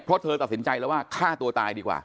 เพราะเธอตัดสินใจแล้วว่าฆ่าตัวตายดีกว่า